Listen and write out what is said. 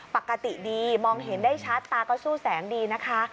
ปกติดีมองเห็นได้ชัดตาก็สู้แสงดีนะคะ